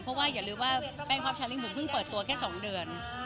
เพราะว่าอย่าลืมว่าแป้งพับชาลิ้นผมเพิ่งเปิดตัวแค่๒เดือน